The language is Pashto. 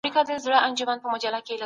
د دې کتاب مقدمه ډېره مشهوره ده.